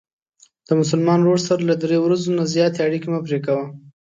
د مسلمان ورور سره له درې ورځو نه زیاتې اړیکې مه پری کوه.